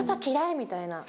みたいな？